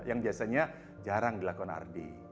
yang biasanya jarang dilakukan ardi